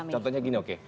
contohnya gini oke